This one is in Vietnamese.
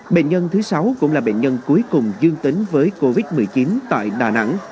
bệnh nhân thứ sáu cũng là bệnh nhân cuối cùng dương tính với covid một mươi chín tại đà nẵng